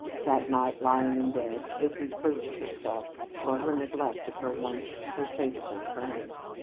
That night, lying in bed, Kate reproached herself for her neglect of her once so faithful friend.